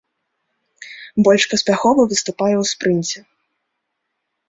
Больш паспяхова выступае ў спрынце.